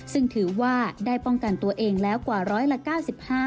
ซึ่งถือว่าได้ป้องกันตัวเองแล้วกว่าร้อยละ๙๕